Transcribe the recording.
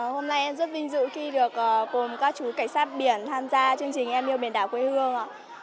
hôm nay em rất vinh dự khi được cùng các chú cảnh sát biển tham gia chương trình em yêu biển đảo quê hương